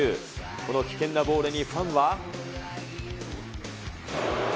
この危険なボールにファンは。